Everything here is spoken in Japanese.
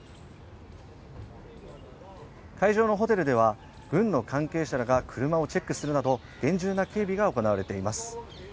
会場のホテルでは、軍の関係者らが車をチェックするなど厳重な警備が行われています。